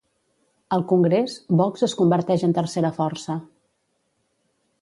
Al Congrés, Vox es converteix en tercera força.